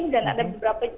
dan ada beberapa